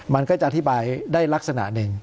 มันก็จะอธิบายได้ลักษณะหนึ่ง